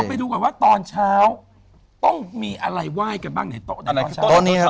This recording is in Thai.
เราไปดูก่อนว่าตอนเช้าต้องมีอะไรไหว้กันบ้างในโต๊ะในตอนเช้า